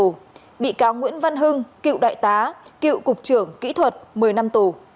các bị cáo nguyễn văn hưng cựu đại tá cựu cục trưởng kỹ thuật một mươi năm tổ